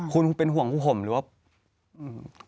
คุณเป็นห่วงคุณผมหรือว่า